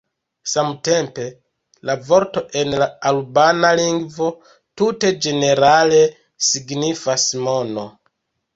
Samtempe la vorto en la albana lingvo tute ĝenerale signifas "mono".